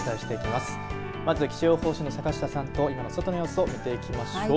まず気象予報士の坂下さんと外の様子を見ていきましょう。